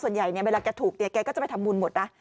ส่วนใหญ่เนี่ยเวลาแกถูกเนี่ยแกก็จะไปทำบุญหมดนะ